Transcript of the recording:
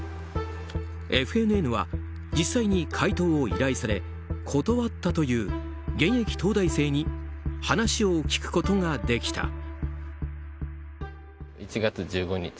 ＦＮＮは実際に解答を依頼され断ったという現役東大生に話を聞くことができた。